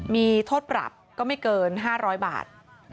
มีโทษปรับก็ไม่เกิน๕๐๐บาท